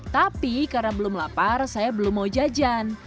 tapi karena belum lapar saya belum mau jajan